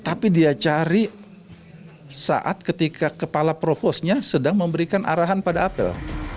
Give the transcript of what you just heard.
tapi dia cari saat ketika kepala provosnya sedang memberikan arahan pada apel